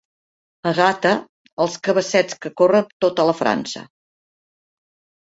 A Gata, els cabassets, que corren tota la França.